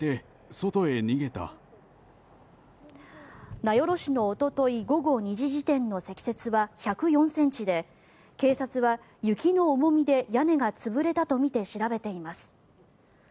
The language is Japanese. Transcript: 名寄市のおととい午後２時時点の積雪は１０４ｃｍで警察は、雪の重みで屋根が潰れたとみて調べています。